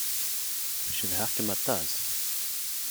Cedhaɣ-kem aṭas.